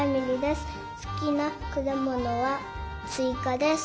すきなくだものはすいかです。